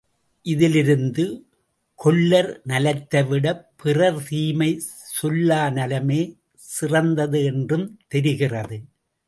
இதிலிருந்து கொல்லர் நலத்தைவிடப் பிறர் தீமை சொல்லா நலமே சிறந்தது என்றுந் தெரிகிறது.